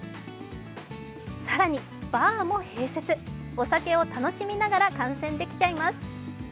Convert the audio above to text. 更にバーも併設、お酒を楽しみながら観戦できちゃいます。